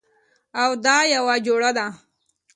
او دا یوه جوړه ده